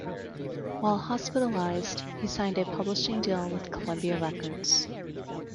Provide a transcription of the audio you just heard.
While hospitalized, he signed a publishing deal with Columbia Records.